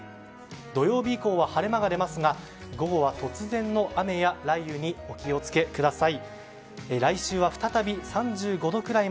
土曜日以降は晴れ間が出ますが午後は突然の雷雨にお気を付けください。